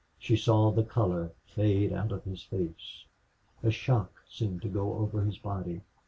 She saw the color fade out of his face. A shock seemed to go over his body.